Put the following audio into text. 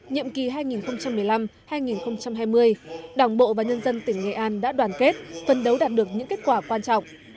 nhiệm kỳ hai nghìn một mươi năm hai nghìn hai mươi đảng bộ và nhân dân tỉnh nghệ an đã đoàn kết phân đấu đạt được những kết quả quan trọng